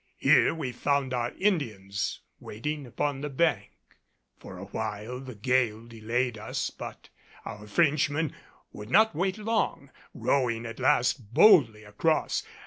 Here we found our Indians waiting upon the bank. For a while the gale delayed us, but our Frenchmen would not wait long, rowing at last boldly across.